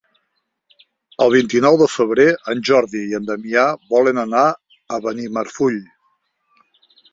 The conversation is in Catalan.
El vint-i-nou de febrer en Jordi i en Damià volen anar a Benimarfull.